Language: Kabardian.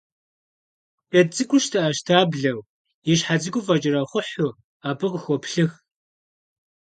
Джэд цӀыкӀур щтэӀэщтаблэу, и щхьэ цӀыкӀур фӀэкӀэрэхъухьу абы къыхоплъых.